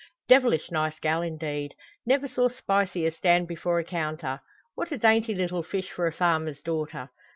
"Devilish nice gal, indeed! Never saw spicier stand before a counter. What a dainty little fish for a farmer's daughter!